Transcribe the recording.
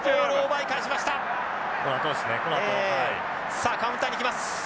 さあカウンターに来ます。